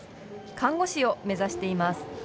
看護師を目指しています。